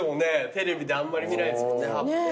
テレビであんまり見ないですもんねハープ。